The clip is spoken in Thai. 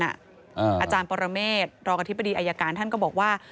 อาจารย์ปรเมษรองอธิบดีอายการท่านก็บอกว่า